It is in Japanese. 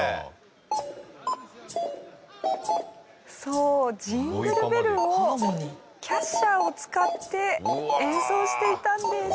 そう『ジングルベル』をキャッシャーを使って演奏していたんです。